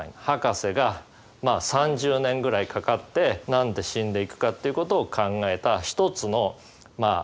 ハカセがまあ３０年ぐらいかかって何で死んでいくかっていうことを考えた一つのま